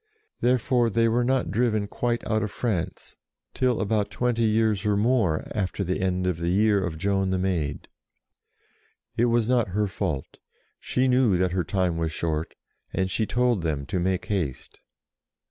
Therefore they were not driven quite out of France till about twenty years or more after the end of the year of Joan the Maid. It was not her fault. She knew that her time was short, and she told them to make haste.